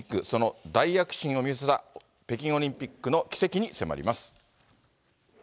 その大躍進を見せた、北京オリンピックの軌跡に迫ります。